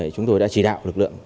chúng tôi đã chỉ đạo lực lượng